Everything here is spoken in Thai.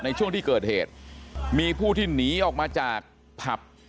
ในช่วงที่เกิดเหตุมีผู้ที่หนีออกมาจากผับ